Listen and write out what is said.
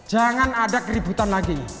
jangan ada keributan lagi